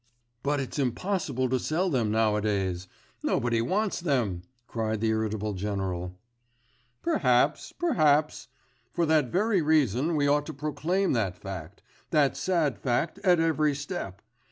'But it's impossible to sell them nowadays; nobody wants them!' cried the irritable general. 'Perhaps ... perhaps. For that very reason we ought to proclaim that fact ... that sad fact at every step.